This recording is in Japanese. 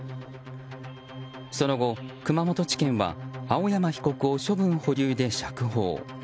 その後、熊本地検は青山被告を処分保留で釈放。